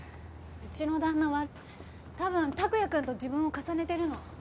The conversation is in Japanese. うちの旦那は多分託也くんと自分を重ねてるの。